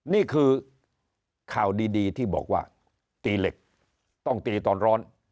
นี่คือข่าวดีที่บอกว่าตีเหล็กต้องตีตอนร้อน